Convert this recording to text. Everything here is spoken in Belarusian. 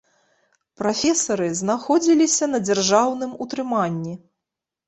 Прафесары знаходзіліся на дзяржаўным утрыманні.